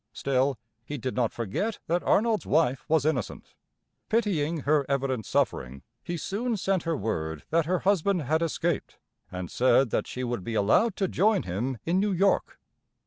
Still, he did not forget that Arnold's wife was innocent. Pitying her evident suffering, he soon sent her word that her husband had escaped, and said that she would be allowed to join him in New York.